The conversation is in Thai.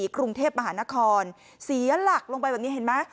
กรุงเทพมหานครเสียหลักลงไปแบบนี้เห็นไหม